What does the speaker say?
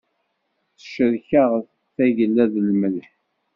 Tecrek-aɣ tagella d lemleḥ.